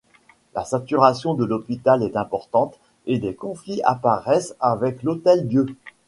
La saturation de l'hôpital est importante et des conflits apparaissent avec l'Hôtel-Dieu.